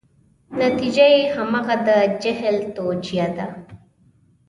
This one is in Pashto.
نتیجه یې همغه د جهل توجیه ده.